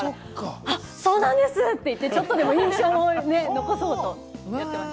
そうなんですって言って、ちょっとでもね、印象に残そうとしてました。